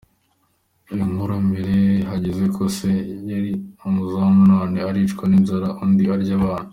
Inkirabuheri yibagiwe ko se yari umuzamu none aricwa n’inzara undi arya abana.